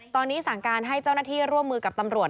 ตอนนี้สั่งการให้เจ้าหน้าที่ร่วมมือกับตำรวจ